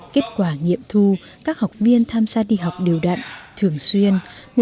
kết quả nghiệm thu các học viên tham gia đi học đều đặn thường xuyên